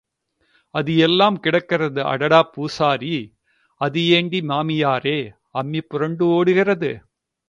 அது எல்லாம் கிடக்கிறது ஆட்டடா பூசாரி, அது ஏண்டி மாமியாரே, அம்மி புரண்டு ஓடுகிறது?